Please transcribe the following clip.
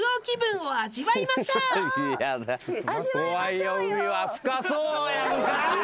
怖いよ深そうやんか！